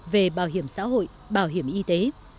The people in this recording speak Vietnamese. về bảo hiểm xã hội bảo hiểm y tế